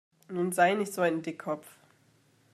Nun sei nicht so ein Dickkopf!